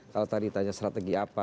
kalau tadi tanya strategi apa